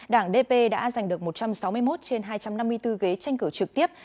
đảng dp đã giành được một trăm sáu mươi một trên hai trăm năm mươi bốn ghế tranh cử trực tiếp